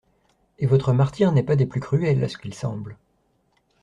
Et votre martyre n'est pas des plus cruels, à ce qu'il semble!